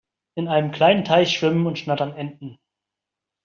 In einem kleinen Teich schwimmen und schnattern Enten.